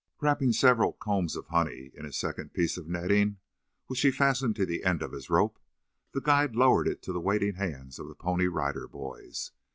Wrapping several combs of honey in a second piece of netting, which he fastened to the end of his rope, the guide lowered it to the waiting hands of the Pony Rider Boys.